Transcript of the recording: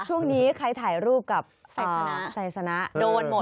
ช่วงนี้ใครถ่ายรูปกับไซสนะไซสนะโดนหมด